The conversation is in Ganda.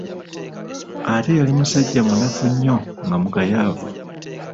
Ate yali musajja munaffu nnyo nga mugayavu.